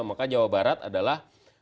maka jawa barat adalah